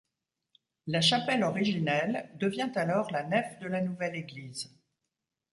La chapelle originelle devient alors la nef de la nouvelle église.